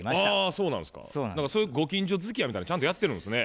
そういうご近所づきあいみたいなのちゃんとやってるんですね。